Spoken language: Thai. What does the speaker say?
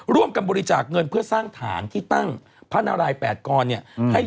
ร่วมกันบริจาคเงินเพื่อสร้างฐานที่ตั้งพระนาราย๘กรเนี่ย